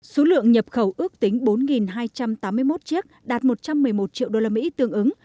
số lượng nhập khẩu ước tính bốn hai trăm tám mươi một chiếc đạt một trăm một mươi một triệu usd tương ứng